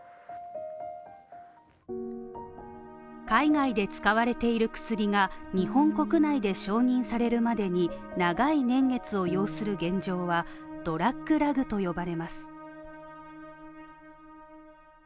海外で使われている薬が日本国内で承認されるまでに長い年月を要する現状はドラッグ・ラグと呼ばれます。